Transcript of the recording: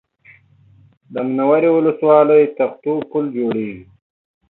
د منورې ولسوالۍ تختو پل جوړېږي